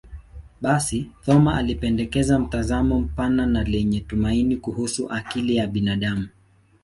Basi, Thoma alipendekeza mtazamo mpana na lenye tumaini kuhusu akili ya binadamu.